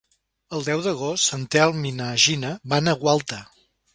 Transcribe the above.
El deu d'agost en Telm i na Gina van a Gualta.